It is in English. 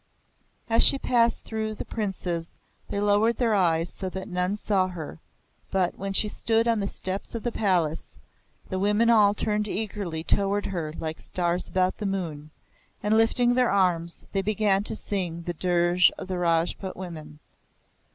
As she passed through the Princes, they lowered their eyes so that none saw her; but when she stood on the steps of the palace, the women all turned eagerly toward her like stars about the moon, and lifting their arms, they began to sing the dirge of the Rajput women.